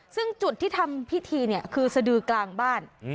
ซึ่งจุดที่ทำพิธีเนี่ยคือสดือกลางบ้าน